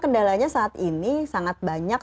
kendalanya saat ini sangat banyak